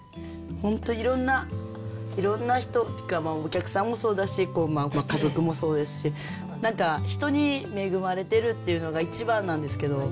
本当、いろんな、いろんな人っていうか、お客さんもそうだし、家族もそうですし、なんか人に恵まれてるっていうのが、一番なんですけど。